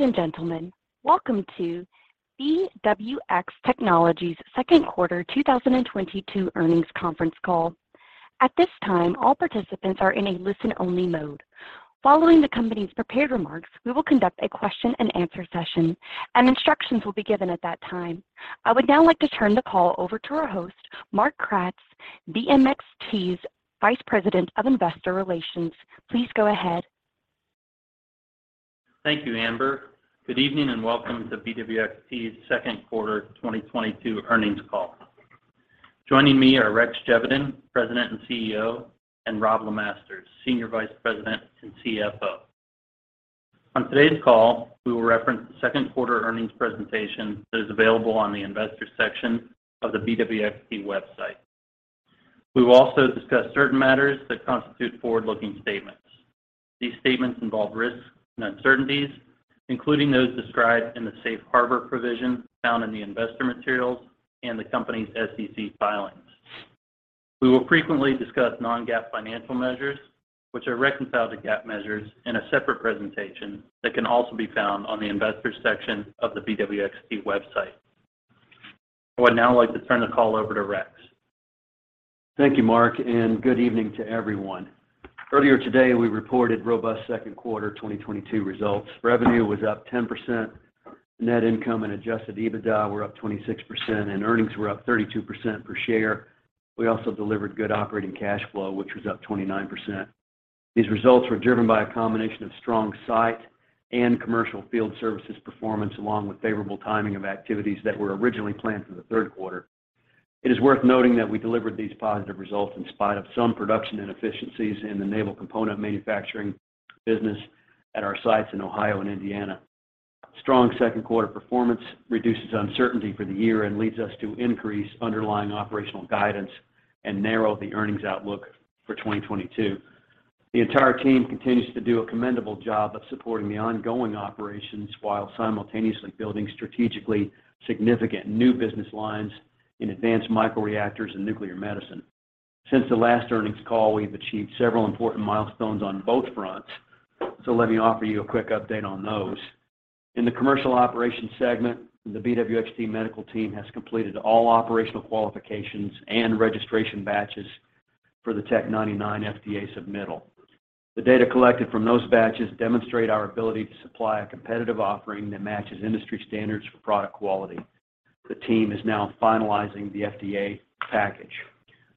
Ladies and gentlemen, welcome to BWX Technologies' Q2 2022 earnings conference call. At this time, all participants are in a listen-only mode. Following the company's prepared remarks, we will conduct a question-and-answer session, and instructions will be given at that time. I would now like to turn the call over to our host, Mark Kratz, BWXT's Vice President of Investor Relations. Please go ahead. Thank you, Amber. Good evening, and welcome to BWXT's Q2 2022 earnings call. Joining me are Rex Geveden, President and CEO, and Robb LeMasters, Senior Vice President and CFO. On today's call, we will reference the Q2 earnings presentation that is available on the Investors section of the BWXT website. We will also discuss certain matters that constitute forward-looking statements. These statements involve risks and uncertainties, including those described in the safe harbor provision found in the investor materials and the company's SEC filings. We will frequently discuss non-GAAP financial measures, which are reconciled to GAAP measures in a separate presentation that can also be found on the Investors section of the BWXT website. I would now like to turn the call over to Rex. Thank you, Mark, and good evening to everyone. Earlier today, we reported robust Q2 2022 results. Revenue was up 10%, net income and adjusted EBITDA were up 26%, and earnings were up 32% per share. We also delivered good operating cash flow, which was up 29%. These results were driven by a combination of strong site and commercial field services performance, along with favorable timing of activities that were originally planned for the Q3. It is worth noting that we delivered these positive results in spite of some production inefficiencies in the naval component manufacturing business at our sites in Ohio and Indiana. Strong Q2 performance reduces uncertainty for the year and leads us to increase underlying operational guidance and narrow the earnings outlook for 2022. The entire team continues to do a commendable job of supporting the ongoing operations while simultaneously building strategically significant new business lines in advanced microreactors and nuclear medicine. Since the last earnings call, we've achieved several important milestones on both fronts, so let me offer you a quick update on those. In the commercial operations segment, the BWXT Medical team has completed all operational qualifications and registration batches for the Tech-99 FDA submittal. The data collected from those batches demonstrate our ability to supply a competitive offering that matches industry standards for product quality. The team is now finalizing the FDA package.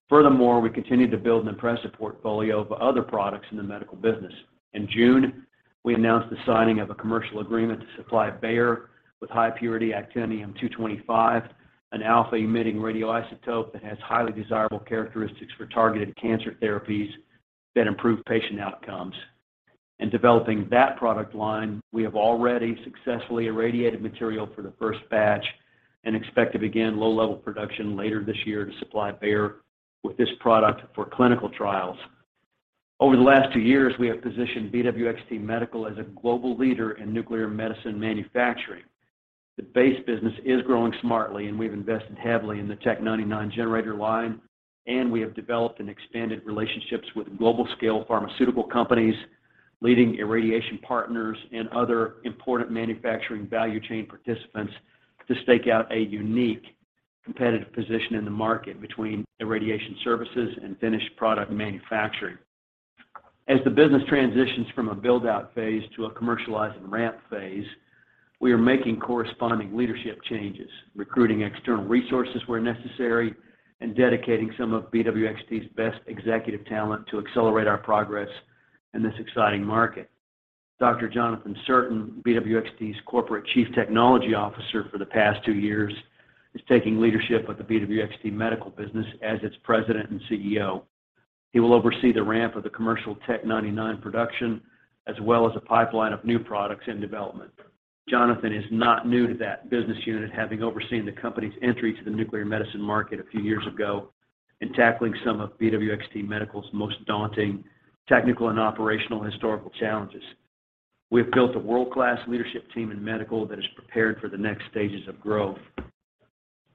Furthermore, we continue to build an impressive portfolio of other products in the medical business. In June, we announced the signing of a commercial agreement to supply Bayer with high-purity actinium-225, an alpha-emitting radioisotope that has highly desirable characteristics for targeted cancer therapies that improve patient outcomes. In developing that product line, we have already successfully irradiated material for the first batch and expect to begin low-level production later this year to supply Bayer with this product for clinical trials. Over the last two years, we have positioned BWXT Medical as a global leader in nuclear medicine manufacturing. The base business is growing smartly, and we've invested heavily in the Tech-99 generator line, and we have developed and expanded relationships with global-scale pharmaceutical companies, leading irradiation partners, and other important manufacturing value chain participants to stake out a unique competitive position in the market between irradiation services and finished product manufacturing. As the business transitions from a build-out phase to a commercialize and ramp phase, we are making corresponding leadership changes, recruiting external resources where necessary, and dedicating some of BWXT's best executive talent to accelerate our progress in this exciting market. Dr. Jonathan Cirtain, BWXT's Corporate Chief Technology Officer for the past two years, is taking leadership of the BWXT Medical business as its President and CEO. He will oversee the ramp of the commercial Tech-99 production as well as a pipeline of new products in development. Jonathan is not new to that business unit, having overseen the company's entry to the nuclear medicine market a few years ago and tackling some of BWXT Medical's most daunting technical and operational historical challenges. We have built a world-class leadership team in Medical that is prepared for the next stages of growth.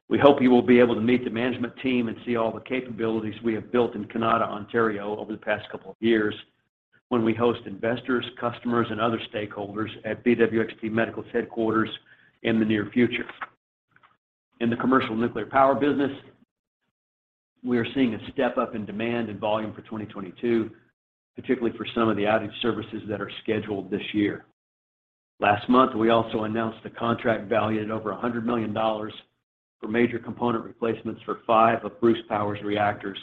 We hope you will be able to meet the management team and see all the capabilities we have built in Kanata, Ontario over the past couple of years when we host investors, customers, and other stakeholders at BWXT Medical's headquarters in the near future. In the commercial nuclear power business, we are seeing a step up in demand and volume for 2022, particularly for some of the outage services that are scheduled this year. Last month, we also announced a contract valued at over $100 million for major component replacements for five of Bruce Power's reactors,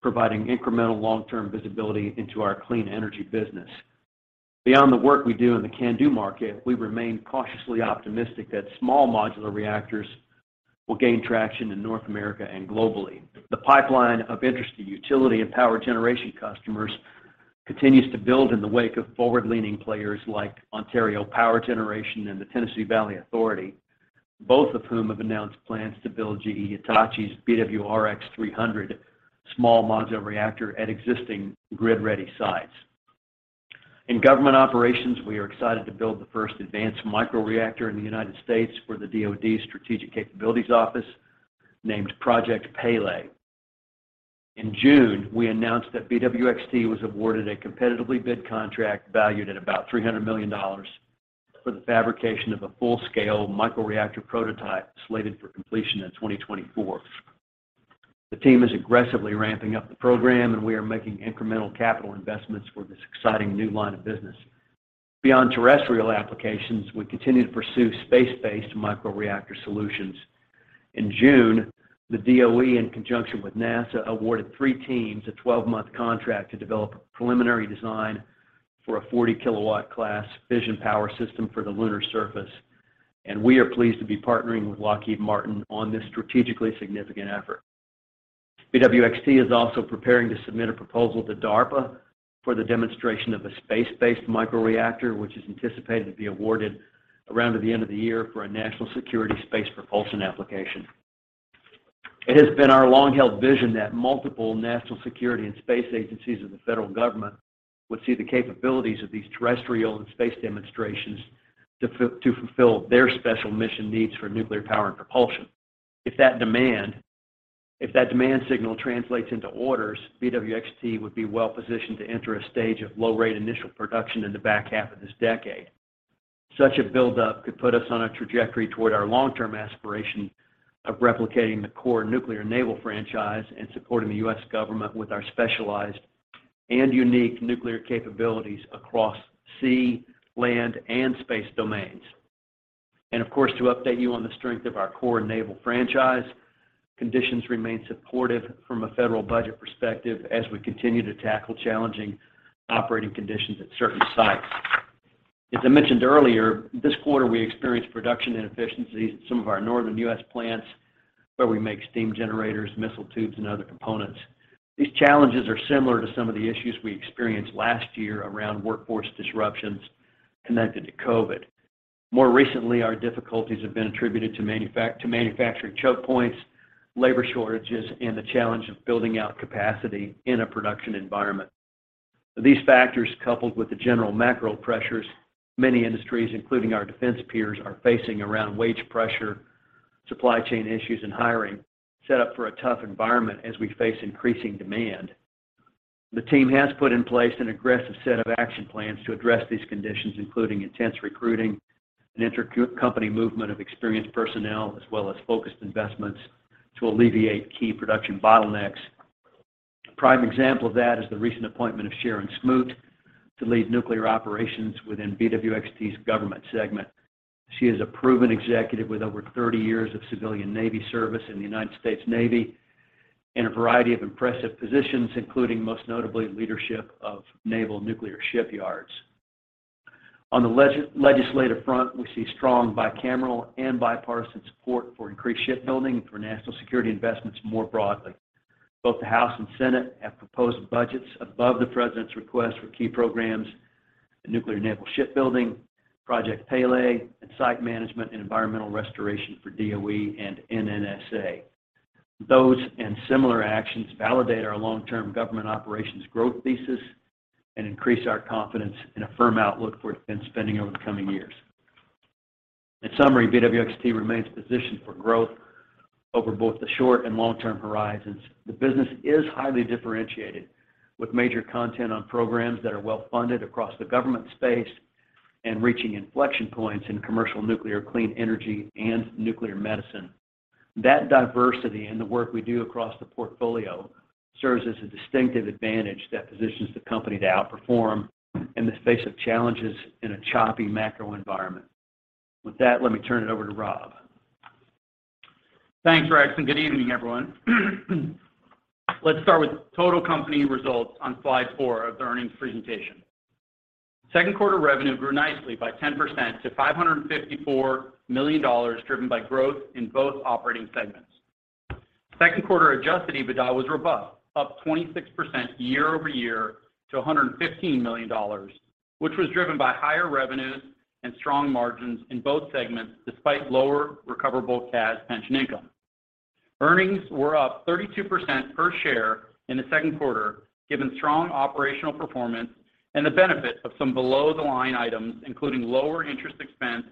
providing incremental long-term visibility into our clean energy business. Beyond the work we do in the CANDU market, we remain cautiously optimistic that small modular reactors will gain traction in North America and globally. The pipeline of interest to utility and power generation customers continues to build in the wake of forward-leaning players like Ontario Power Generation and the Tennessee Valley Authority, both of whom have announced plans to build GE Hitachi's BWRX-300 small modular reactor at existing grid-ready sites. In government operations, we are excited to build the first advanced microreactor in the United States for the DoD's Strategic Capabilities Office, named Project Pele. In June, we announced that BWXT was awarded a competitively bid contract valued at about $300 million for the fabrication of a full-scale microreactor prototype slated for completion in 2024. The team is aggressively ramping up the program, and we are making incremental capital investments for this exciting new line of business. Beyond terrestrial applications, we continue to pursue space-based microreactor solutions. In June, the DOE, in conjunction with NASA, awarded three teams a 12-month contract to develop a preliminary design for a 40 kW class fission power system for the lunar surface. We are pleased to be partnering with Lockheed Martin on this strategically significant effort. BWXT is also preparing to submit a proposal to DARPA for the demonstration of a space-based microreactor, which is anticipated to be awarded around at the end of the year for a national security space propulsion application. It has been our long-held vision that multiple national security and space agencies of the federal government would see the capabilities of these terrestrial and space demonstrations to fulfill their special mission needs for nuclear power and propulsion. If that demand signal translates into orders, BWXT would be well positioned to enter a stage of low-rate initial production in the back half of this decade. Such a buildup could put us on a trajectory toward our long-term aspiration of replicating the core nuclear naval franchise and supporting the U.S. government with our specialized and unique nuclear capabilities across sea, land, and space domains. Of course, to update you on the strength of our core naval franchise, conditions remain supportive from a federal budget perspective as we continue to tackle challenging operating conditions at certain sites. As I mentioned earlier, this quarter we experienced production inefficiencies at some of our northern U.S. plants, where we make steam generators, missile tubes, and other components. These challenges are similar to some of the issues we experienced last year around workforce disruptions connected to COVID. More recently, our difficulties have been attributed to manufacturing choke points, labor shortages, and the challenge of building out capacity in a production environment. These factors, coupled with the general macro pressures many industries, including our defense peers, are facing around wage pressure, supply chain issues, and hiring, set up for a tough environment as we face increasing demand. The team has put in place an aggressive set of action plans to address these conditions, including intense recruiting and inter-company movement of experienced personnel, as well as focused investments to alleviate key production bottlenecks. A prime example of that is the recent appointment of Sharon Smoot to lead nuclear operations within BWXT's government segment. She is a proven executive with over thirty years of civilian Navy service in the United States Navy in a variety of impressive positions, including most notably leadership of Naval Nuclear Shipyards. On the legislative front, we see strong bicameral and bipartisan support for increased shipbuilding and for national security investments more broadly. Both the House and Senate have proposed budgets above the President's request for key programs in nuclear naval shipbuilding, Project Pele, and site management and environmental restoration for DOE and NNSA. Those and similar actions validate our long-term government operations growth thesis and increase our confidence in a firm outlook for defense spending over the coming years. In summary, BWXT remains positioned for growth over both the short and long-term horizons. The business is highly differentiated with major content on programs that are well-funded across the government space and reaching inflection points in commercial nuclear clean energy and nuclear medicine. That diversity in the work we do across the portfolio serves as a distinctive advantage that positions the company to outperform in the face of challenges in a choppy macro environment. With that, let me turn it over to Robb. Thanks, Rex, and good evening, everyone. Let's start with total company results on slide 4 of the earnings presentation. Q2 revenue grew nicely by 10% to $554 million, driven by growth in both operating segments. Q2 adjusted EBITDA was robust, up 26% year-over-year to $115 million, which was driven by higher revenues and strong margins in both segments, despite lower recoverable CAS pension income. Earnings were up 32% per share in the Q2, given strong operational performance and the benefit of some below-the-line items, including lower interest expense,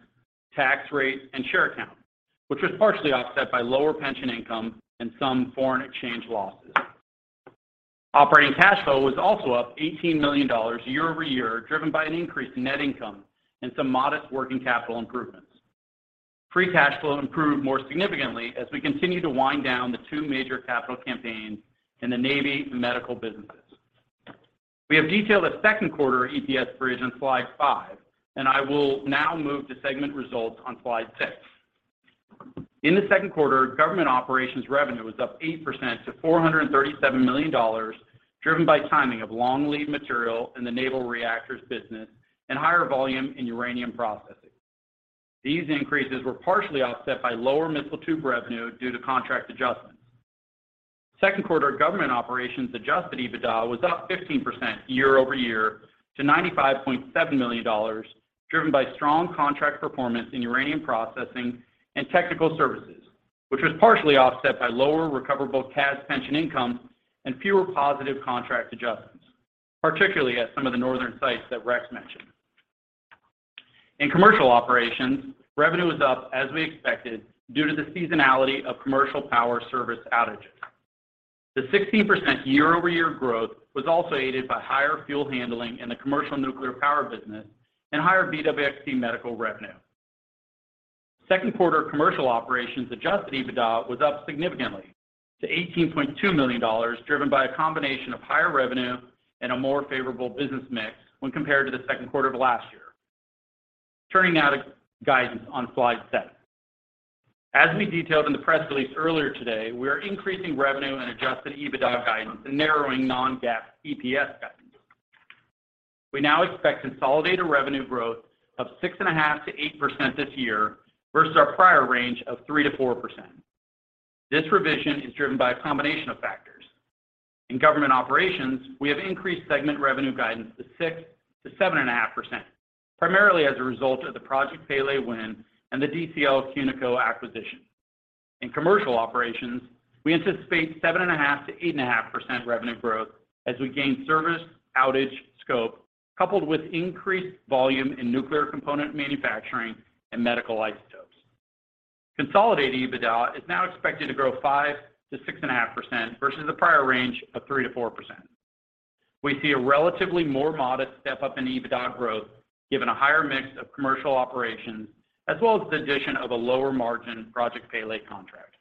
tax rate, and share count, which was partially offset by lower pension income and some foreign exchange losses. Operating cash flow was also up $18 million year-over-year, driven by an increase in net income and some modest working capital improvements. Free cash flow improved more significantly as we continue to wind down the two major capital campaigns in the Navy and medical businesses. We have detailed the Q2 EPS bridge on slide five, and I will now move to segment results on slide six. In the Q2, government operations revenue was up 8% to $437 million, driven by timing of long lead material in the naval reactors business and higher volume in uranium processing. These increases were partially offset by lower missile tube revenue due to contract adjustments. Q2 government operations adjusted EBITDA was up 15% year-over-year to $95.7 million, driven by strong contract performance in uranium processing and technical services, which was partially offset by lower recoverable CAS pension income and fewer positive contract adjustments, particularly at some of the northern sites that Rex mentioned. In commercial operations, revenue was up as we expected due to the seasonality of commercial power service outages. The 16% year-over-year growth was also aided by higher fuel handling in the commercial nuclear power business and higher BWXT medical revenue. Q2 commercial operations adjusted EBITDA was up significantly to $18.2 million, driven by a combination of higher revenue and a more favorable business mix when compared to the Q2 of last year. Turning now to guidance on slide seven. As we detailed in the press release earlier today, we are increasing revenue and adjusted EBITDA guidance and narrowing non-GAAP EPS guidance. We now expect consolidated revenue growth of 6.5%-8% this year versus our prior range of 3%-4%. This revision is driven by a combination of factors. In government operations, we have increased segment revenue guidance to 6%-7.5%, primarily as a result of the Project Pele win and the DCL, Cunico acquisition. In commercial operations, we anticipate 7.5%-8% revenue growth as we gain service outage scope, coupled with increased volume in nuclear component manufacturing and medical isotopes. Consolidated EBITDA is now expected to grow 5%-6.5% versus the prior range of 3%-4%. We see a relatively more modest step-up in EBITDA growth, given a higher mix of commercial operations, as well as the addition of a lower margin Project Pele contract.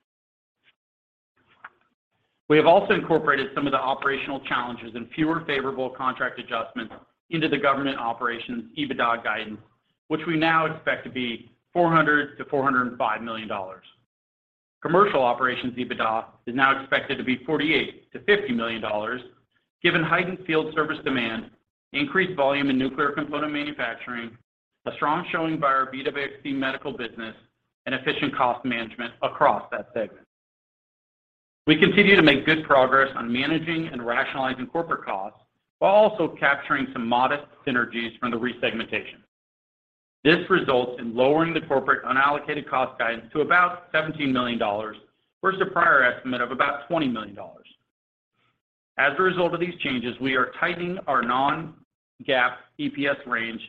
We have also incorporated some of the operational challenges and fewer favorable contract adjustments into the government operations EBITDA guidance, which we now expect to be $400 million-$405 million. Commercial operations EBITDA is now expected to be $48 million-$50 million, given heightened field service demand, increased volume in nuclear component manufacturing, a strong showing by our BWXT Medical business, and efficient cost management across that segment. We continue to make good progress on managing and rationalizing corporate costs, while also capturing some modest synergies from the resegmentation. This results in lowering the corporate unallocated cost guidance to about $17 million versus a prior estimate of about $20 million. As a result of these changes, we are tightening our non-GAAP EPS range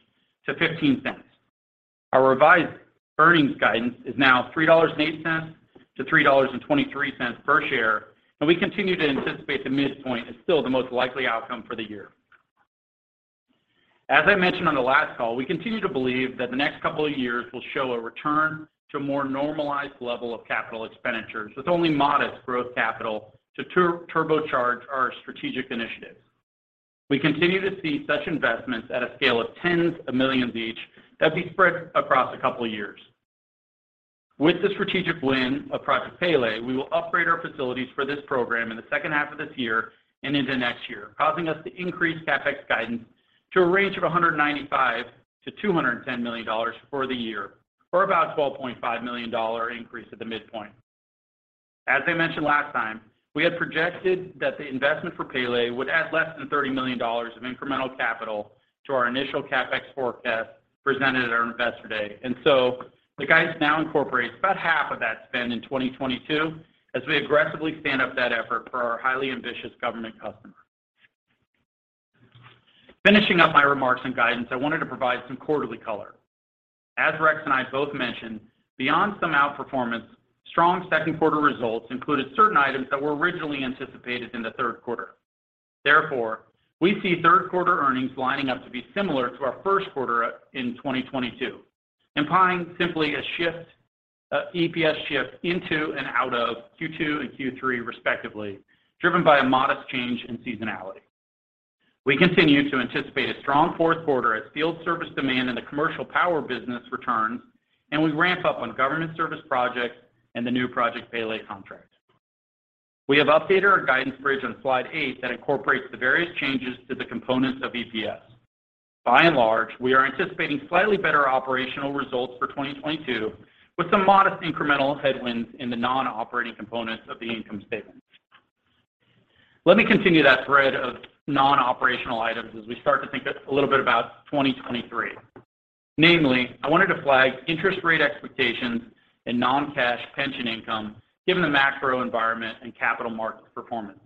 to $0.15. Our revised earnings guidance is now $3.08-$3.23 per share, and we continue to anticipate the midpoint as still the most likely outcome for the year. As I mentioned on the last call, we continue to believe that the next couple of years will show a return to more normalized level of capital expenditures, with only modest growth capital to turbocharge our strategic initiatives. We continue to see such investments at a scale of tens of millions each as we spread across a couple of years. With the strategic win of Project Pele, we will upgrade our facilities for this program in the second half of this year and into next year, causing us to increase CapEx guidance to a range of $195 million-$210 million for the year, or about $12.5 million increase at the midpoint. As I mentioned last time, we had projected that the investment for Pele would add less than $30 million of incremental capital to our initial CapEx forecast presented at our Investor Day. The guidance now incorporates about half of that spend in 2022 as we aggressively stand up that effort for our highly ambitious government customer. Finishing up my remarks and guidance, I wanted to provide some quarterly color. As Rex and I both mentioned, beyond some outperformance, strong Q2 results included certain items that were originally anticipated in the Q3. Therefore, we see Q3 earnings lining up to be similar to our Q1 in 2022, implying simply a shift, an EPS shift into and out of Q2 and Q3 respectively, driven by a modest change in seasonality. We continue to anticipate a strong Q4 as field service demand in the commercial power business returns, and we ramp up on government service projects and the new Project Pele contract. We have updated our guidance bridge on slide eight that incorporates the various changes to the components of EPS. By and large, we are anticipating slightly better operational results for 2022, with some modest incremental headwinds in the non-operating components of the income statement. Let me continue that thread of non-operational items as we start to think a little bit about 2023. Namely, I wanted to flag interest rate expectations and non-cash pension income given the macro environment and capital market performance.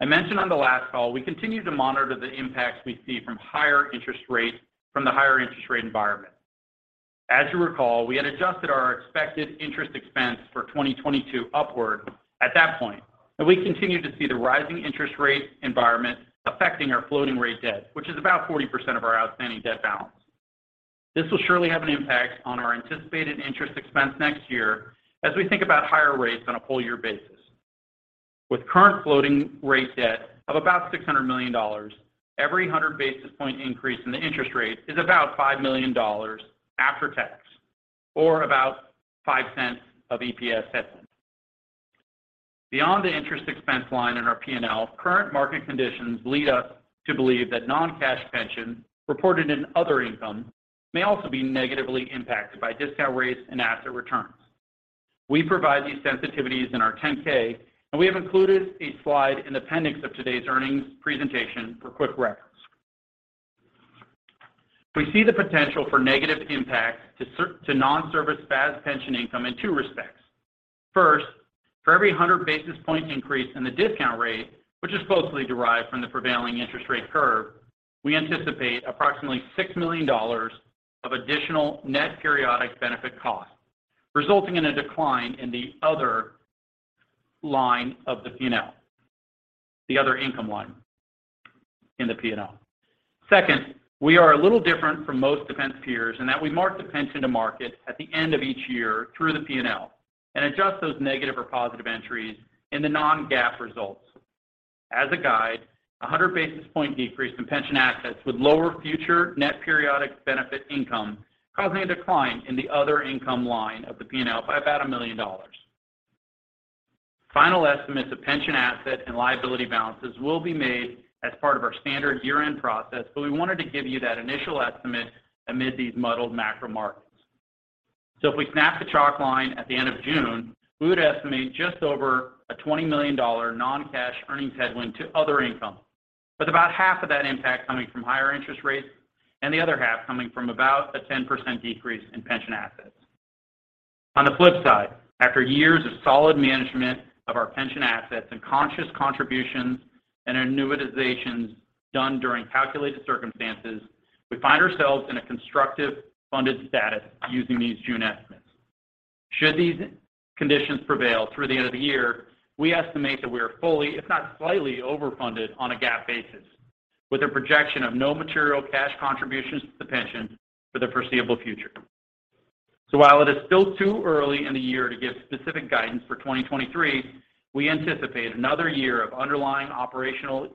I mentioned on the last call, we continue to monitor the impacts we see from the higher interest rate environment. As you recall, we had adjusted our expected interest expense for 2022 upward at that point, and we continue to see the rising interest rate environment affecting our floating rate debt, which is about 40% of our outstanding debt balance. This will surely have an impact on our anticipated interest expense next year as we think about higher rates on a full year basis. With current floating rate debt of about $600 million, every 100 basis point increase in the interest rate is about $5 million after tax or about $0.05 of EPS headwind. Beyond the interest expense line in our P&L, current market conditions lead us to believe that non-cash pension reported in other income may also be negatively impacted by discount rates and asset returns. We provide these sensitivities in our 10-K, and we have included a slide in appendix of today's earnings presentation for quick reference. We see the potential for negative impacts to non-service FAS pension income in two respects. First, for every 100 basis points increase in the discount rate, which is closely derived from the prevailing interest rate curve, we anticipate approximately $6 million of additional net periodic benefit costs, resulting in a decline in the other line of the P&L. The other income line in the P&L. Second, we are a little different from most defense peers in that we mark the pension to market at the end of each year through the P&L and adjust those negative or positive entries in the non-GAAP results. As a guide, 100 basis point decrease in pension assets would lower future net periodic benefit income, causing a decline in the other income line of the P&L by about $1 million. Final estimates of pension asset and liability balances will be made as part of our standard year-end process, but we wanted to give you that initial estimate amid these muddled macro markets. If we snap the chalk line at the end of June, we would estimate just over a $20 million non-cash earnings headwind to other income, with about half of that impact coming from higher interest rates and the other half coming from about a 10% decrease in pension assets. On the flip side, after years of solid management of our pension assets and conscious contributions and annuitizations done during calculated circumstances, we find ourselves in a constructive funded status using these June estimates. Should these conditions prevail through the end of the year, we estimate that we are fully, if not slightly, overfunded on a GAAP basis, with a projection of no material cash contributions to the pension for the foreseeable future. While it is still too early in the year to give specific guidance for 2023, we anticipate another year of underlying operational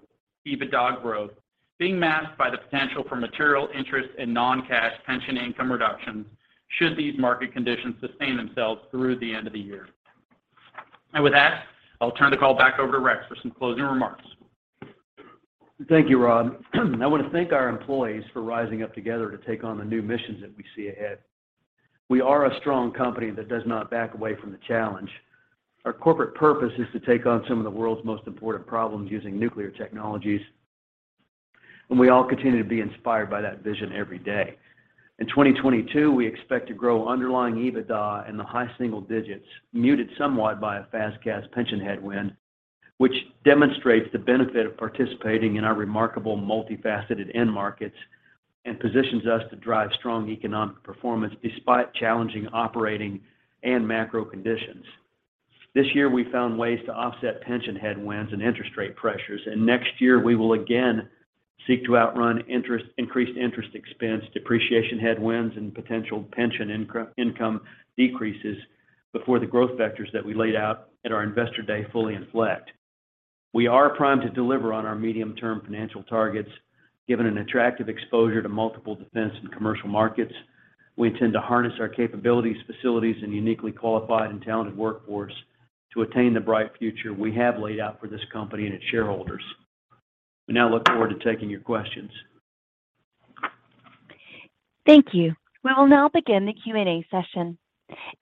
EBITDA growth being masked by the potential for material interest and non-cash pension income reductions should these market conditions sustain themselves through the end of the year. With that, I'll turn the call back over to Rex for some closing remarks. Thank you, Robb. I want to thank our employees for rising up together to take on the new missions that we see ahead. We are a strong company that does not back away from the challenge. Our corporate purpose is to take on some of the world's most important problems using nuclear technologies, and we all continue to be inspired by that vision every day. In 2022, we expect to grow underlying EBITDA in the high single digits, muted somewhat by a FAS/CAS pension headwind, which demonstrates the benefit of participating in our remarkable multifaceted end markets and positions us to drive strong economic performance despite challenging operating and macro conditions. This year, we found ways to offset pension headwinds and interest rate pressures, and next year we will again seek to outrun increased interest expense, depreciation headwinds, and potential pension income decreases before the growth vectors that we laid out at our Investor Day fully inflect. We are primed to deliver on our medium-term financial targets, given an attractive exposure to multiple defense and commercial markets. We intend to harness our capabilities, facilities, and uniquely qualified and talented workforce to attain the bright future we have laid out for this company and its shareholders. We now look forward to taking your questions. Thank you. We will now begin the Q&A session.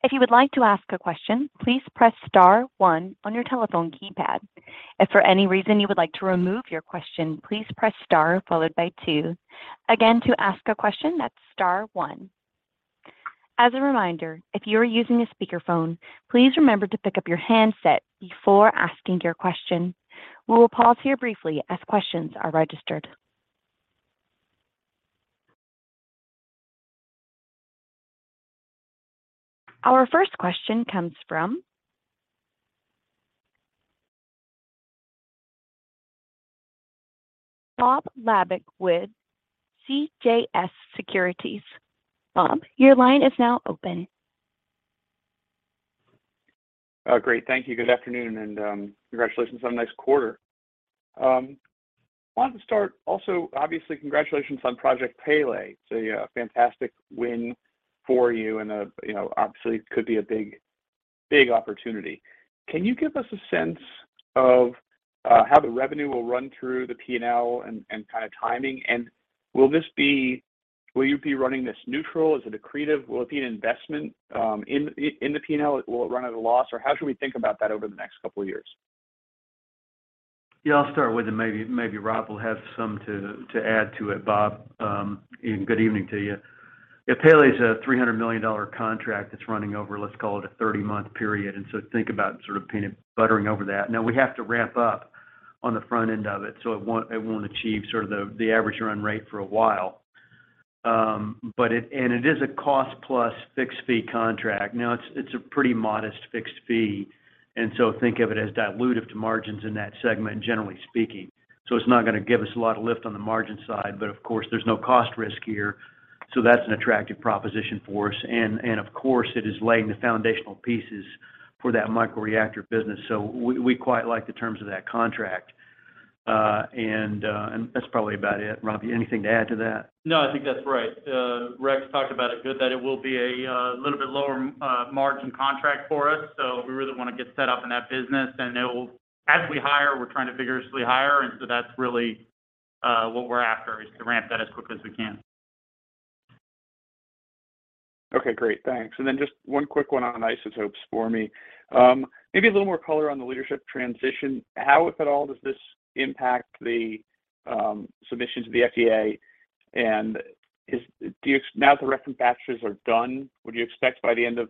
If you would like to ask a question, please press star one on your telephone keypad. If for any reason you would like to remove your question, please press star followed by two. Again, to ask a question, that's star one. As a reminder, if you are using a speakerphone, please remember to pick up your handset before asking your question. We will pause here briefly as questions are registered. Our first question comes from Bob Labick with CJS Securities. Bob, your line is now open. Great. Thank you. Good afternoon, and congratulations on a nice quarter. Wanted to start also, obviously, congratulations on Project Pele. It's a fantastic win for you and, you know, obviously could be a big, big opportunity. Can you give us a sense of how the revenue will run through the P&L and kind of timing? Will you be running this neutral? Is it accretive? Will it be an investment in the P&L? Will it run at a loss? Or how should we think about that over the next couple of years? Yeah, I'll start with it. Maybe Robb will have some to add to it, Bob. Good evening to you. Yeah, Pele is a $300 million contract that's running over, let's call it a 30 month period, and so think about sort of peanut buttering over that. Now we have to ramp up on the front end of it, so it won't achieve sort of the average run rate for a while. It is a cost-plus-fixed-fee contract. Now it's a pretty modest fixed fee, and so think of it as dilutive to margins in that segment, generally speaking. It's not gonna give us a lot of lift on the margin side, but of course, there's no cost risk here, so that's an attractive proposition for us. Of course, it is laying the foundational pieces for that microreactor business. We quite like the terms of that contract. That's probably about it. Robb, you have anything to add to that? No, I think that's right. Rex talked about it well that it will be a little bit lower margin contract for us. We really wanna get set up in that business. As we hire, we're trying to vigorously hire, and that's really what we're after is to ramp that as quickly as we can. Okay, great. Thanks. Then just one quick one on isotopes for me. Maybe a little more color on the leadership transition. How, if at all, does this impact the submissions to the FDA? Do you, now that the recon batches are done, would you expect by the end of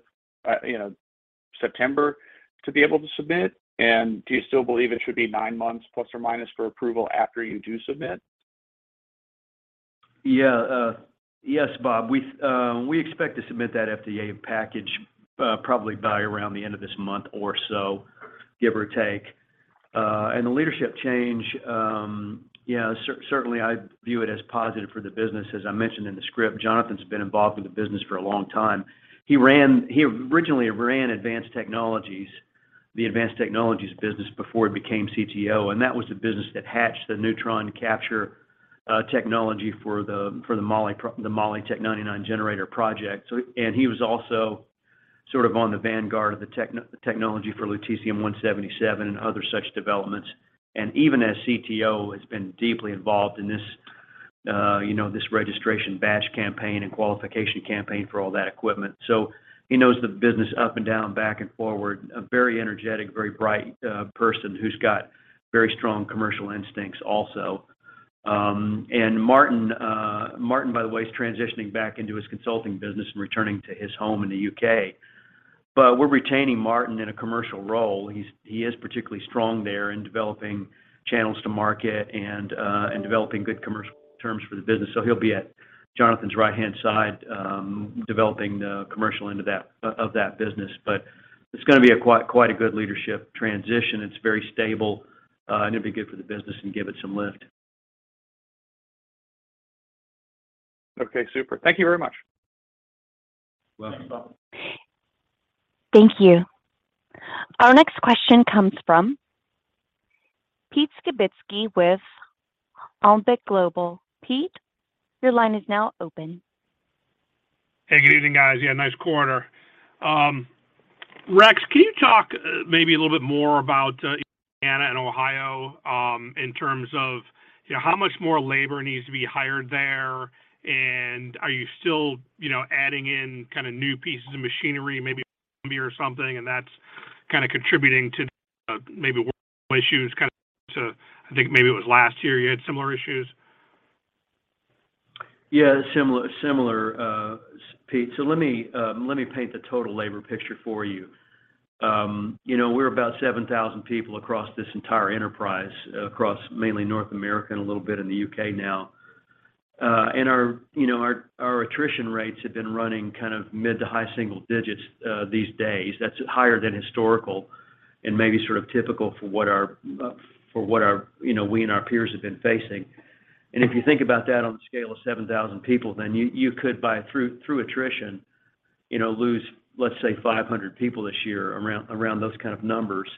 September to be able to submit? Do you still believe it should be 9 ± for approval after you do submit? Yes, Bob. We expect to submit that FDA package probably by around the end of this month or so, give or take. The leadership change, yeah, certainly I view it as positive for the business. As I mentioned in the script, Jonathan has been involved with the business for a long time. He originally ran Advanced Technologies, the Advanced Technologies business before he became CTO, and that was the business that hatched the neutron capture technology for the Molytech-99 generator project. He was also sort of on the vanguard of the technology for Lutetium-177 and other such developments. Even as CTO, he has been deeply involved in this, you know, this registration batch campaign and qualification campaign for all that equipment. He knows the business up and down, back and forward. A very energetic, very bright person who's got very strong commercial instincts also. Martyn, by the way, is transitioning back into his consulting business and returning to his home in the U.K. We're retaining Martyn in a commercial role. He is particularly strong there in developing channels to market and developing good commercial terms for the business. He'll be at Jonathan's right-hand side, developing the commercial end of that business. It's gonna be a quite a good leadership transition. It's very stable, and it'll be good for the business and give it some lift. Okay. Super. Thank you very much. Welcome, Bob. Thank you. Our next question comes from Pete Skibitski with Alembic Global. Pete, your line is now open. Hey, good evening, guys. Yeah, nice quarter. Rex, can you talk maybe a little bit more about Indiana and Ohio in terms of you know how much more labor needs to be hired there? Are you still you know adding in kinda new pieces of machinery, maybe a zombie or something, and that's kinda contributing to maybe work issues kinda similar to I think maybe it was last year you had similar issues? Yeah, similar, Pete. Let me paint the total labor picture for you. You know, we're about 7,000 people across this entire enterprise, across mainly North America and a little bit in the U.K. now. Our attrition rates have been running kind of mid- to high-single digits these days. That's higher than historical and maybe sort of typical for what you know we and our peers have been facing. If you think about that on the scale of 7,000 people, then you could, through attrition, you know, lose, let's say, 500 people this year around those kind of numbers.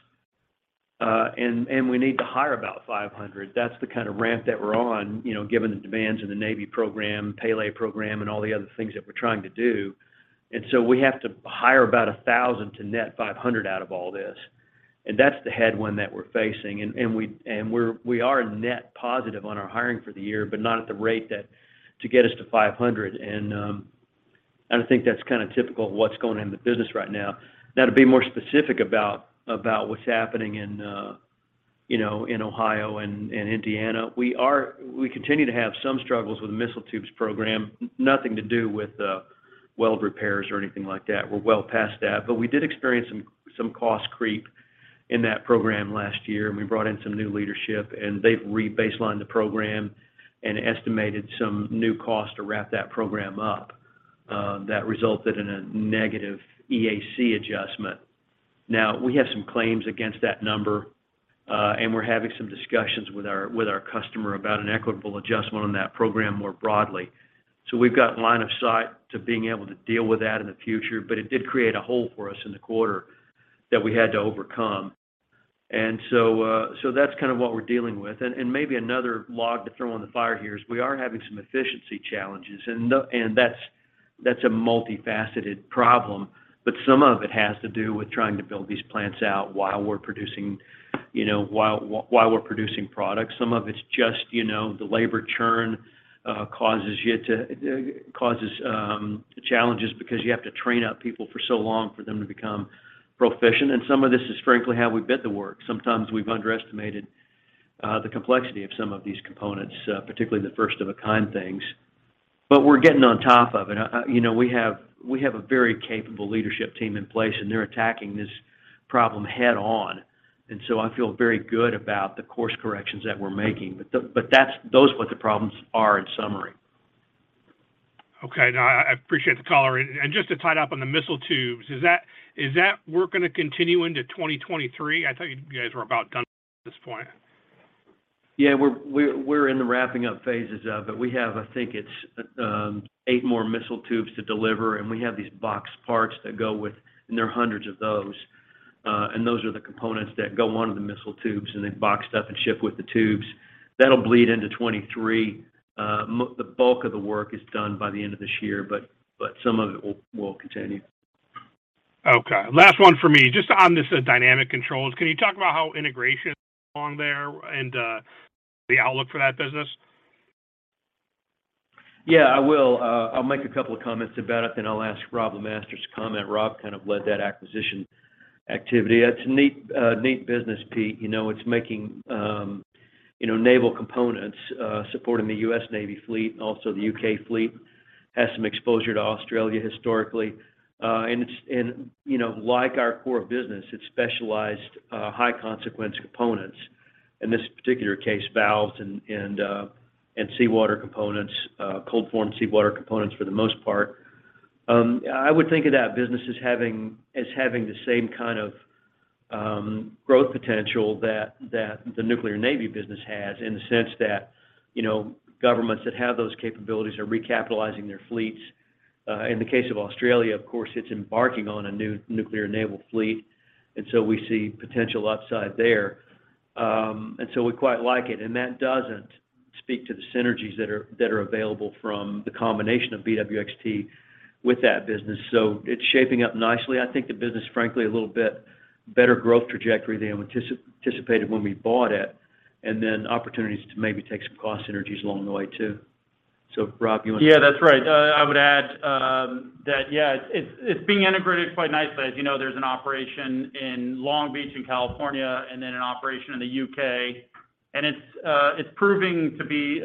We need to hire about 500. That's the kind of ramp that we're on, you know, given the demands of the Navy program, Pele program, and all the other things that we're trying to do. We have to hire about 1,000 to net 500 out of all this. That's the headwind that we're facing. We are net positive on our hiring for the year, but not at the rate to get us to 500. I think that's kinda typical of what's going on in the business right now. Now to be more specific about what's happening in Ohio and Indiana, we continue to have some struggles with the missile tubes program. Nothing to do with weld repairs or anything like that. We're well past that. We did experience some cost creep in that program last year, and we brought in some new leadership, and they've re-baselined the program and estimated some new cost to wrap that program up, that resulted in a negative EAC adjustment. Now, we have some claims against that number, and we're having some discussions with our customer about an equitable adjustment on that program more broadly. We've got line of sight to being able to deal with that in the future, but it did create a hole for us in the quarter that we had to overcome. That's kind of what we're dealing with. Maybe another log to throw on the fire here is we are having some efficiency challenges, and that's a multifaceted problem. Some of it has to do with trying to build these plants out while we're producing, you know, while we're producing products. Some of it's just, you know, the labor churn causes challenges because you have to train up people for so long for them to become proficient. Some of this is frankly how we bid the work. Sometimes we've underestimated the complexity of some of these components, particularly the first of a kind things. We're getting on top of it. You know, we have a very capable leadership team in place, and they're attacking this problem head on. I feel very good about the course corrections that we're making. That's those are what the problems are in summary. Okay. No, I appreciate the color. Just to tie it up on the missile tubes, is that work gonna continue into 2023? I thought you guys were about done with that at this point. Yeah. We're in the wrapping up phases of it. We have, I think it's, eight more missile tubes to deliver, and we have these box parts that go with, and there are hundreds of those. And those are the components that go onto the missile tubes, and they've boxed up and ship with the tubes. That'll bleed into 2023. The bulk of the work is done by the end of this year, but some of it will continue. Okay. Last one for me. Just on this, Dynamic Controls, can you talk about how integration is going there and the outlook for that business? Yeah, I will. I'll make a couple of comments about it, then I'll ask Robb LeMasters to comment. Robb kind of led that acquisition. That's a neat business, Pete. You know, it's making you know naval components supporting the U.S. Navy fleet and also the U.K. fleet. Has some exposure to Australia historically. You know, like our core business, it's specialized high consequence components. In this particular case, valves and seawater components, cold form seawater components for the most part. I would think of that business as having the same kind of growth potential that the nuclear Navy business has in the sense that, you know, governments that have those capabilities are recapitalizing their fleets. In the case of Australia, of course, it's embarking on a new nuclear naval fleet, and so we see potential upside there. We quite like it. That doesn't speak to the synergies that are available from the combination of BWXT with that business. It's shaping up nicely. I think the business, frankly, a little bit better growth trajectory than anticipated when we bought it, and then opportunities to maybe take some cost synergies along the way too. Robb, you want to? Yeah, that's right. I would add that it's being integrated quite nicely. As you know, there's an operation in Long Beach in California and then an operation in the U.K. It's proving to be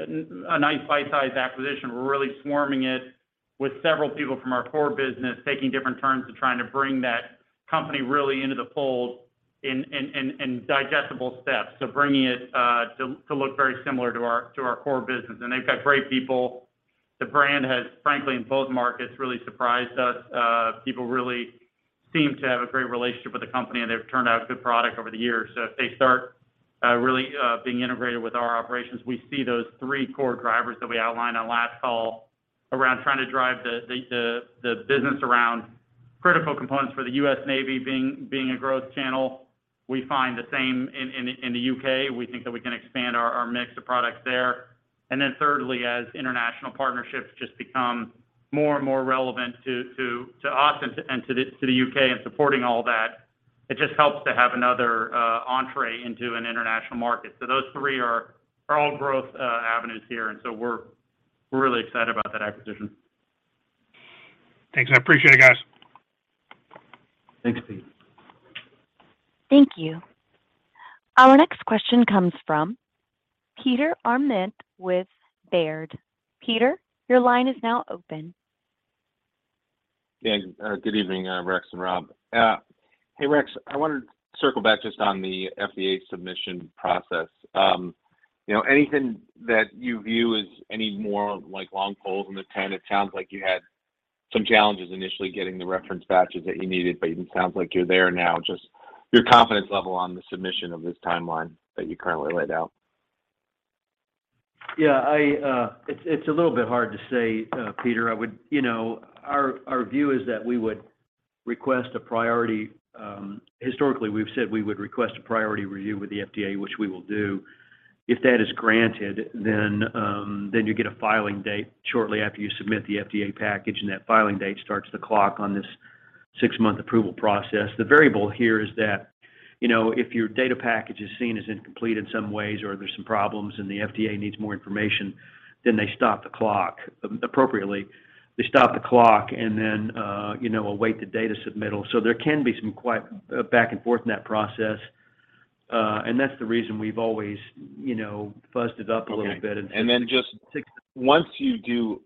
a nice bite-size acquisition. We're really swarming it with several people from our core business, taking different turns trying to bring that company really into the fold in digestible steps. Bringing it to look very similar to our core business. They've got great people. The brand has, frankly, in both markets, really surprised us. People really seem to have a great relationship with the company, and they've turned out a good product over the years. If they start really being integrated with our operations, we see those three core drivers that we outlined on last call around trying to drive the business around critical components for the U.S. Navy being a growth channel. We find the same in the U.K. We think that we can expand our mix of products there. Thirdly, as international partnerships just become more and more relevant to us and to the U.K. and supporting all that, it just helps to have another entry into an international market. Those three are all growth avenues here, and so we're really excited about that acquisition. Thanks. I appreciate it, guys. Thanks, Pete. Thank you. Our next question comes from Peter Arment with Baird. Peter, your line is now open. Yeah. Good evening, Rex and Robb. Hey, Rex. I wanted to circle back just on the FDA submission process. You know, anything that you view as any more like long poles in the tent? It sounds like you had some challenges initially getting the reference batches that you needed, but it sounds like you're there now. Just your confidence level on the submission of this timeline that you currently laid out. Yeah. It's a little bit hard to say, Peter. You know, our view is that we would request a priority. Historically, we've said we would request a priority review with the FDA, which we will do. If that is granted, then you get a filing date shortly after you submit the FDA package, and that filing date starts the clock on this six-month approval process. The variable here is that, you know, if your data package is seen as incomplete in some ways or there's some problems and the FDA needs more information, then they stop the clock appropriately. They stop the clock and then, you know, await the data submittal. There can be some quite back and forth in that process. That's the reason we've always, you know, fuzzed it up a little bit. Okay. Just once you do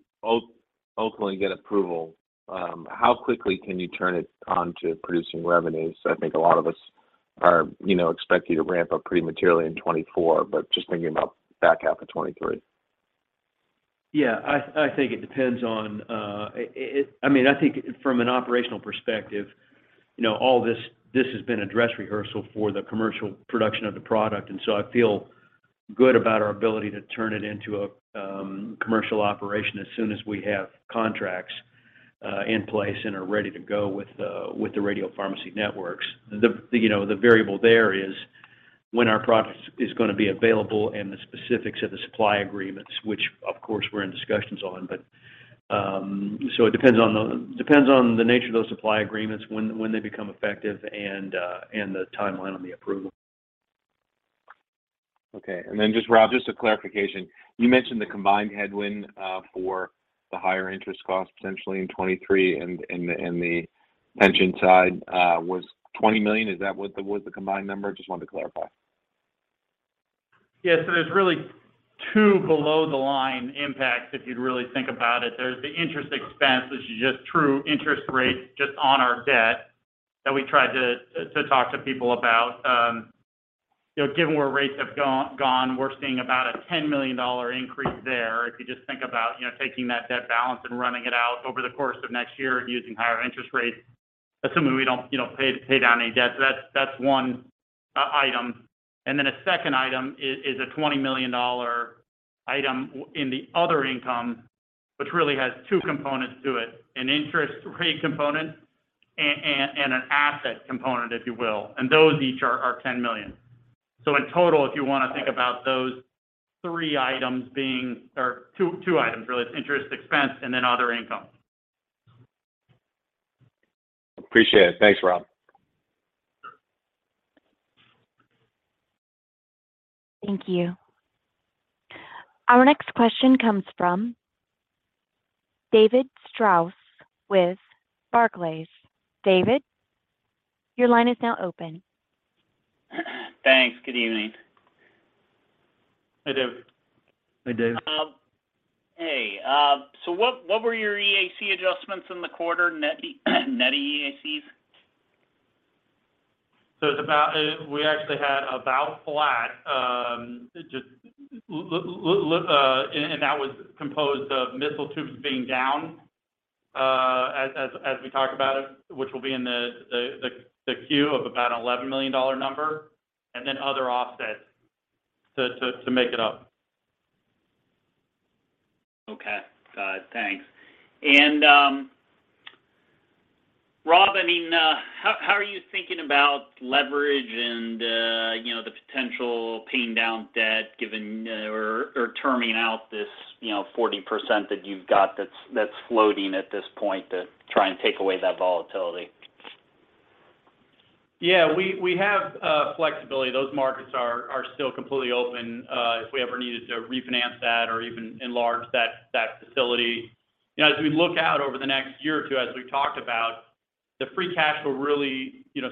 ultimately get approval, how quickly can you turn it on to producing revenues? I think a lot of us are, you know, expect you to ramp up pretty materially in 2024, but just thinking about back half of 2023. Yeah. I think it depends on it. I mean, I think from an operational perspective, you know, all this has been a dress rehearsal for the commercial production of the product. I feel good about our ability to turn it into a commercial operation as soon as we have contracts in place and are ready to go with the radiopharmacy networks. You know, the variable there is when our product is gonna be available and the specifics of the supply agreements, which of course we're in discussions on. It depends on the nature of those supply agreements, when they become effective and the timeline on the approval. Okay. Just, Robb, just a clarification. You mentioned the combined headwind for the higher interest costs potentially in 2023 and the pension side was $20 million. Is that what was the combined number? Just wanted to clarify. Yeah. There's really two below the line impacts, if you'd really think about it. There's the interest expense, which is just true interest rates just on our debt that we try to talk to people about. You know, given where rates have gone, we're seeing about a $10 million increase there. If you just think about, you know, taking that debt balance and running it out over the course of next year using higher interest rates, assuming we don't, you know, pay down any debt. That's one item. And then a second item is a $20 million item in the other income, which really has two components to it, an interest rate component and an asset component, if you will, and those each are $10 million. In total, if you wanna think about those three items being or two items, really. It's interest expense and then other income. Appreciate it. Thanks, Robb. Thank you. Our next question comes from David Strauss with Barclays. David, your line is now open. Thanks. Good evening. Hi, David. Hi, Dave. Hey, what were your EAC adjustments in the quarter net EACs? It's about, we actually had about flat, and that was composed of missile tubes being down, as we talked about it, which will be in the Q of about $11 million number, and then other offsets to make it up. Robb, I mean, how are you thinking about leverage and, you know, the potential paying down debt given or terming out this, you know, 40% that you've got that's floating at this point to try and take away that volatility? Yeah. We have flexibility. Those markets are still completely open if we ever needed to refinance that or even enlarge that facility. You know, as we look out over the next year or two, as we've talked about, the free cash will really, you know,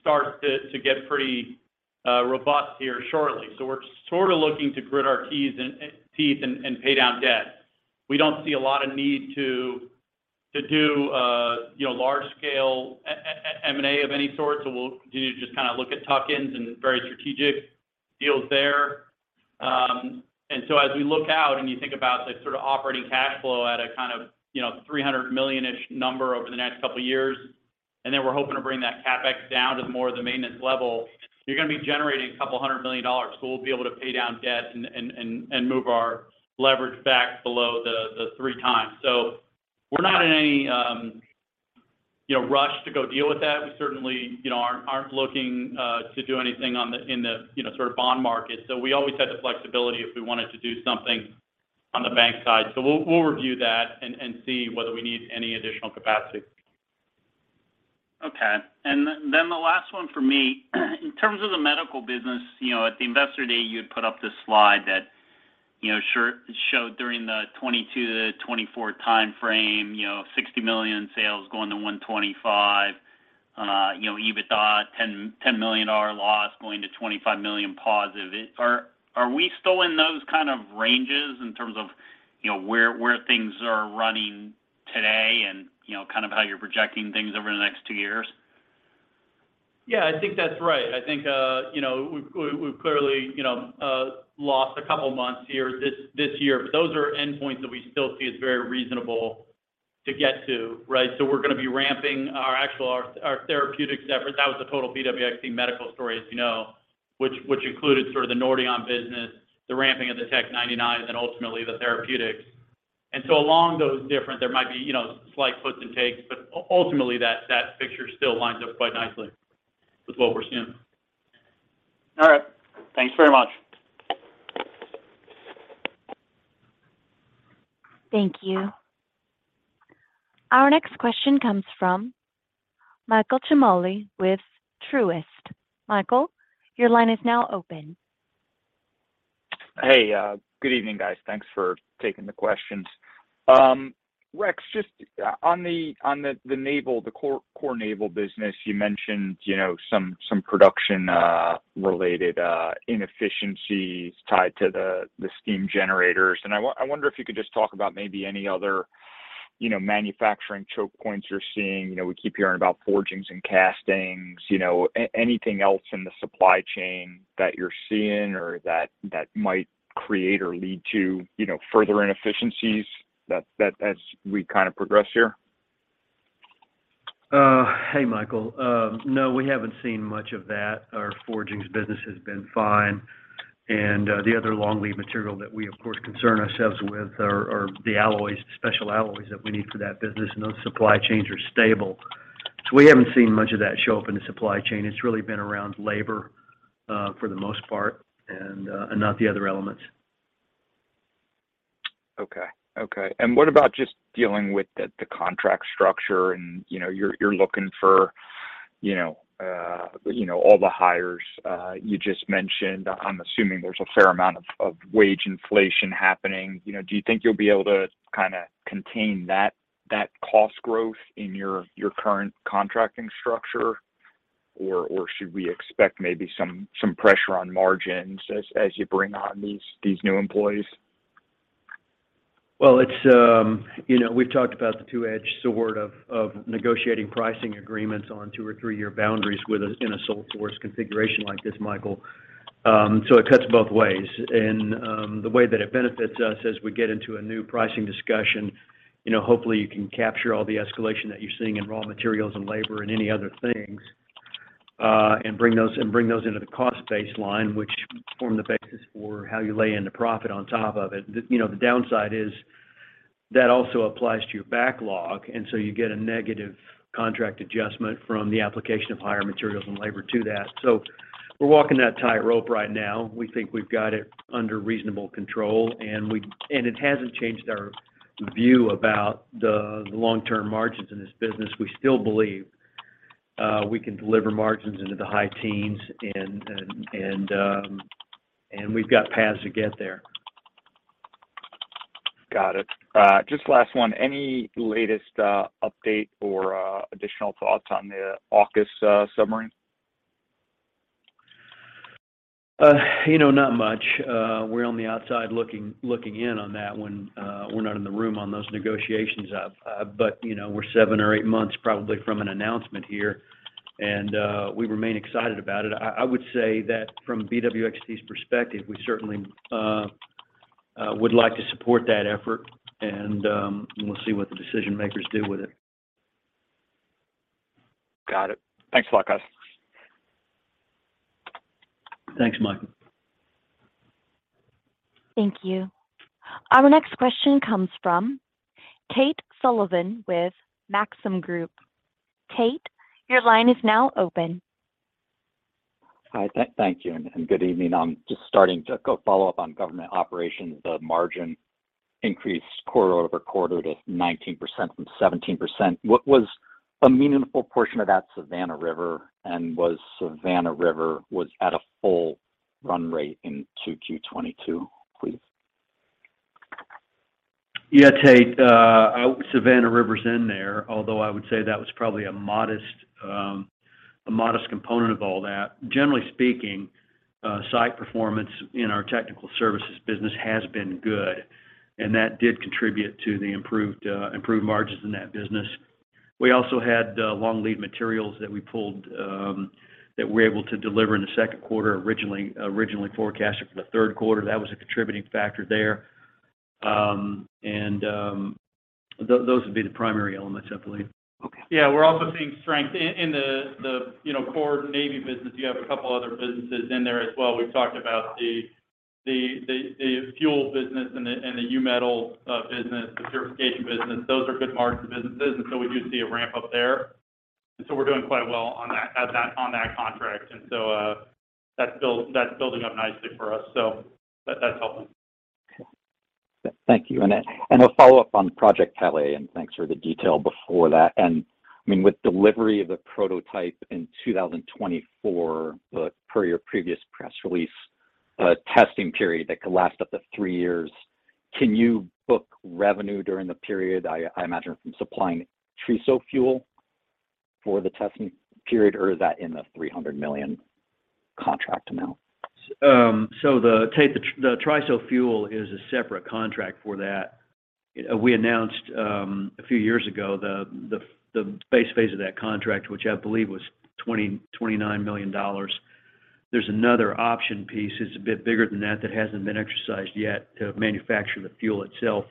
start to get pretty robust here shortly. We're sort of looking to grit our teeth and pay down debt. We don't see a lot of need to do, you know, large scale M&A of any sort. We'll continue to just kinda look at tuck-ins and very strategic deals there. As we look out and you think about the sort of operating cash flow at a kind of, you know, $300 million-ish number over the next couple of years, and then we're hoping to bring that CapEx down to more of the maintenance level, you're gonna be generating a couple hundred million dollars. We'll be able to pay down debt and move our leverage back below the 3x. We're not in any, you know, rush to go deal with that. We certainly, you know, aren't looking to do anything in the, you know, sort of bond market. We always had the flexibility if we wanted to do something on the bank side. We'll review that and see whether we need any additional capacity. Okay. The last one for me. In terms of the medical business, you know, at the Investor Day, you had put up this slide that, you know, showed during the 2022 to 2024 timeframe, you know, $60 million sales going to $125 million. You know, EBITDA, $10 million dollar loss going to $25 million positive. Are we still in those kind of ranges in terms of, you know, where things are running today and, you know, kind of how you're projecting things over the next two years? Yeah, I think that's right. I think you know we've clearly you know lost a couple months here this year. Those are endpoints that we still see as very reasonable to get to, right? We're gonna be ramping our therapeutics efforts. That was the total BWXT Medical story, as you know, which included sort of the Nordion business, the ramping of the Tech-99, and then ultimately the therapeutics. Along those different, there might be you know slight puts and takes, but ultimately that picture still lines up quite nicely with what we're seeing. All right. Thanks very much. Thank you. Our next question comes from Michael Ciarmoli with Truist. Michael, your line is now open. Hey, good evening, guys. Thanks for taking the questions. Rex, just on the core naval business, you mentioned, you know, some production related inefficiencies tied to the steam generators. I wonder if you could just talk about maybe any other, you know, manufacturing choke points you're seeing. You know, we keep hearing about forgings and castings. You know, anything else in the supply chain that you're seeing or that might create or lead to, you know, further inefficiencies that as we kind of progress here? Hey, Michael. No, we haven't seen much of that. Our forgings business has been fine. The other long lead material that we, of course, concern ourselves with are the alloys, special alloys that we need for that business, and those supply chains are stable. We haven't seen much of that show up in the supply chain. It's really been around labor for the most part and not the other elements. Okay. Okay. What about just dealing with the contract structure and, you know, you're looking for, you know, all the hires you just mentioned. I'm assuming there's a fair amount of wage inflation happening. You know, do you think you'll be able to kinda contain that cost growth in your current contracting structure? Or should we expect maybe some pressure on margins as you bring on these new employees? Well, it's, you know, we've talked about the two-edged sword of negotiating pricing agreements on two or three year boundaries within a sole source configuration like this, Michael. It cuts both ways. The way that it benefits us as we get into a new pricing discussion, you know, hopefully you can capture all the escalation that you're seeing in raw materials and labor and any other things, and bring those into the cost baseline, which form the basis for how you lay in the profit on top of it. You know, the downside is that also applies to your backlog, and so you get a negative contract adjustment from the application of higher materials and labor to that. We're walking that tightrope right now. We think we've got it under reasonable control, and it hasn't changed our view about the long-term margins in this business. We still believe we can deliver margins into the high teens% and we've got paths to get there. Got it. Just last one. Any latest update or additional thoughts on the AUKUS submarine? You know, not much. We're on the outside looking in on that one. We're not in the room on those negotiations. You know, we're seven or eight months probably from an announcement here, and we remain excited about it. I would say that from BWXT's perspective, we certainly would like to support that effort and we'll see what the decision-makers do with it. Got it. Thanks a lot, guys. Thanks, Michael. Thank you. Our next question comes from Tate Sullivan with Maxim Group. Tate, your line is now open. Hi. Thank you and good evening. I'm just starting to go follow up on government operations. The margin increased quarter-over-quarter to 19% from 17%. What was a meaningful portion of that? Savannah River, and was Savannah River at a full run rate in Q2 2022, please? Yeah, Tate. Savannah River's in there, although I would say that was probably a modest component of all that. Generally speaking, site performance in our technical services business has been good, and that did contribute to the improved margins in that business. We also had long lead materials that we pulled that we were able to deliver in the Q2, originally forecasted for the Q3. That was a contributing factor there. Those would be the primary elements, I believe. Okay. Yeah. We're also seeing strength in the, you know, core Navy business. You have a couple other businesses in there as well. We've talked about the fuel business and the U-metal business, the certification business. Those are good margin businesses, and we do see a ramp up there. We're doing quite well on that contract. That's building up nicely for us. That's helping. Okay. Thank you. A follow-up on Project Pele, thanks for the detail before that. I mean, with delivery of the prototype in 2024, per your previous press release, a testing period that could last up to three years, can you book revenue during the period, I imagine, from supplying TRISO fuel for the testing period, or is that in the $300 million contract amount? Tate, the TRISO fuel is a separate contract for that. We announced a few years ago the base phase of that contract, which I believe was $29 million. There's another option piece, it's a bit bigger than that hasn't been exercised yet to manufacture the fuel itself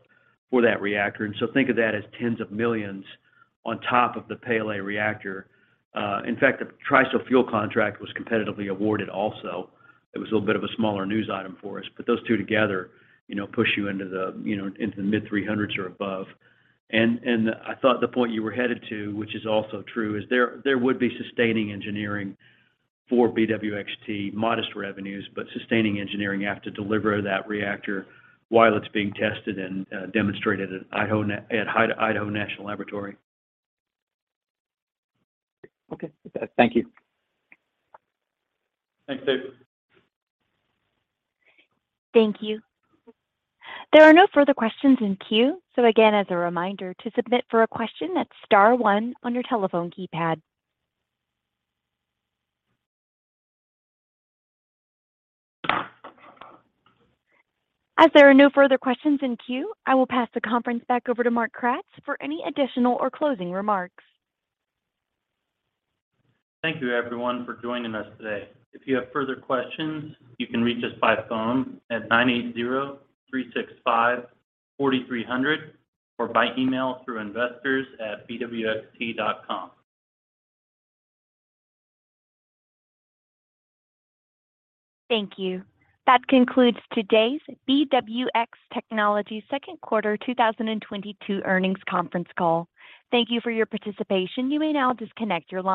for that reactor. Think of that as tens of millions on top of the Pele reactor. In fact, the TRISO fuel contract was competitively awarded also. It was a little bit of a smaller news item for us. Those two together, you know, push you into the mid-300s or above. I thought the point you were headed to, which is also true, is there would be sustaining engineering for BWXT, modest revenues, but sustaining engineering have to deliver that reactor while it's being tested and demonstrated at Idaho National Laboratory. Okay. Thank you. Thanks, Tate. Thank you. There are no further questions in queue. Again, as a reminder, to submit a question, that's star one on your telephone keypad. As there are no further questions in queue, I will pass the conference back over to Mark Kratz for any additional or closing remarks. Thank you, everyone, for joining us today. If you have further questions, you can reach us by phone at nine eight zero three six five four three zero zero, or by email through investors@bwxt.com. Thank you. That concludes today's BWX Technologies Q2 2022 earnings conference call. Thank you for your participation. You may now disconnect your line.